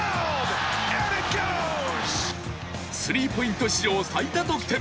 スリーポイント史上最多得点。